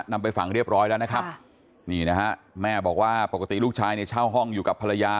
นำไปฝังเรียบร้อยแล้วนะครับนี่นะฮะแม่บอกว่าปกติลูกชายเนี่ยเช่าห้องอยู่กับภรรยา